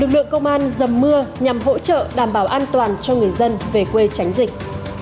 lực lượng công an dầm mưa nhằm hỗ trợ đảm bảo an toàn cho người dân về quê tránh dịch